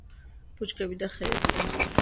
ბუჩქები და ხეებია.